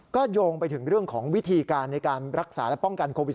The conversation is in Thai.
ก็โยงไปถึงเรื่องของวิธีการในการรักษาและป้องกันโควิด